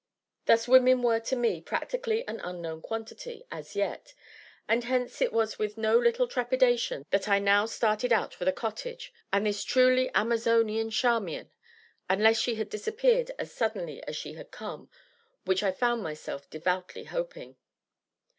Thus, women were to me practically an unknown quantity, as yet, and hence it was with no little trepidation that I now started out for the cottage, and this truly Amazonian Charmian, unless she had disappeared as suddenly as she had come (which I found myself devoutly hoping).